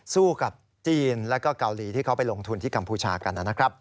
สู้กับจีนแล้วก็เกาหลีที่เขาไปลงทุนที่กัมพูชากันนะครับ